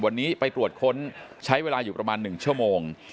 วันนี้ไปตรวจค้นใช้เวลาอยู่ประมาณ๑ชั่วโมง